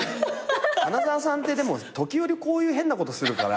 花澤さんってでも時折こういう変なことするから。